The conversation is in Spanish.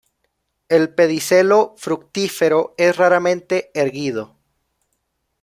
El pedicelo fructífero es raramente erguido.